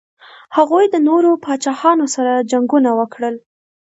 هغوی د نورو پاچاهانو سره جنګونه وکړل.